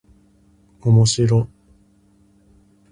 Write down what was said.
おもしろっ